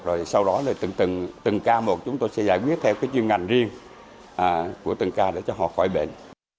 rồi sau đó là từng ca một chúng tôi sẽ giải quyết theo cái chuyên ngành riêng của từng ca để cho họ khỏi bệnh